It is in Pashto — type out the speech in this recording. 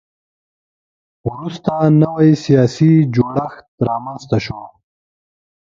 وروسته نوی سیاسي جوړښت رامنځته شو